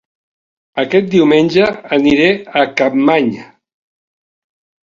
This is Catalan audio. Aquest diumenge aniré a Capmany